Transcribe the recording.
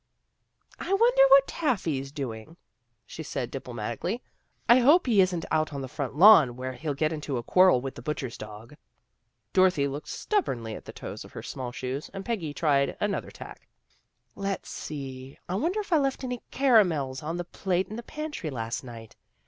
" I wonder what Taffy's doing," she said diplomatically. " I hope he isn't out on the front lawn where he'll get into a quarrel with the butcher's dog." Dorothy looked stubbornly at the toes of her small shoes, and Peggy tried another tack. " Let's see! I wonder if I left any caramels on the plate in the pantry last night.